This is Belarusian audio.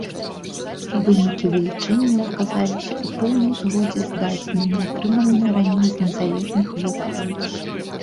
Вынікі вылічэнняў аказаліся ў поўнай згодзе з дадзенымі, атрыманымі раней з незалежных вопытаў.